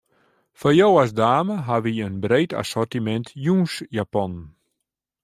Foar jo as dame hawwe wy in breed assortimint jûnsjaponnen.